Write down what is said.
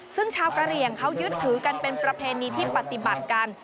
ซึ่งชาวกะเหลี่ยงเขายึดถือกันเป็นประเพณีที่ปฏิบัติกัน